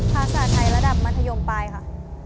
ภาษาไทยระดับมัธยมปลายค่ะ